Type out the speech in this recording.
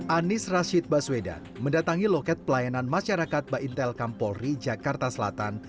anies rashid baswedan mendatangi loket pelayanan masyarakat baintel kampolri jakarta selatan